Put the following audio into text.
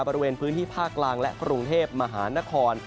บริเวณพื้นที่ภาคกลางและกรุงเทพมหานคร